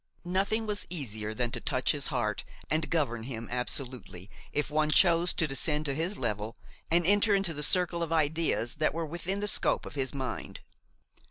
Nothing was easier than to touch his heart and govern him absolutely, if one chose to descend to his level and enter into the circle of ideas that were within the scope of his mind.